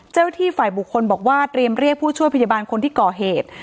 ที่ฝ่ายบุคคลบอกว่าเตรียมเรียกผู้ช่วยพยาบาลคนที่ก่อเหตุ